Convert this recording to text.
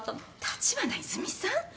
立花泉さん？